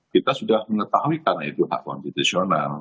kita sudah mengetahui karena itu hak konstitusional